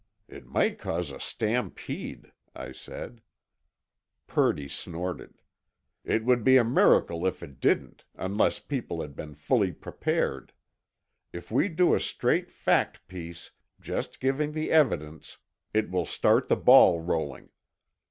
"it might cause a stampede," I said, Purdy snorted. "it would be a miracle if it didn't, unless people had been fully prepared. if we do a straight fact piece, just giving the evidence, it will start the ball rolling.